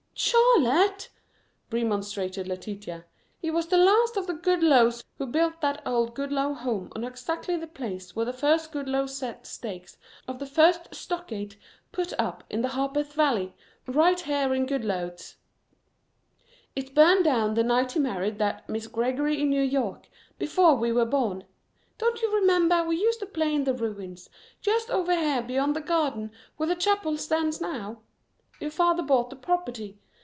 "Charlotte!" remonstrated Letitia. "He was the last of the Goodloes who built that old Goodloe home on exactly the place where the first Goodloe set the stakes of the first stockade put up in the Harpeth Valley, right here in Goodloets. It burned down the night he married that Miss Gregory in New York, before we were born. Don't you remember we used to play in the ruins, just over here beyond the garden where the chapel stands now? Your father bought the property.